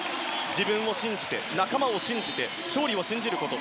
自分を信じて、仲間を信じて勝利を信じること。